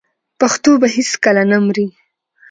پښتو به هیڅکله نه مري.